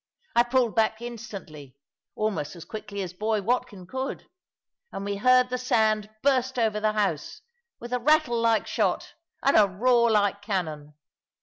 I pulled back instantly (almost as quickly as boy Watkin could), and we heard the sand burst over the house, with a rattle like shot, and a roar like cannon.